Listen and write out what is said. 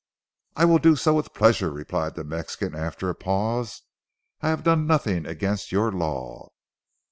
"I will do so with pleasure," replied the Mexican after a pause, "I have done nothing against your law."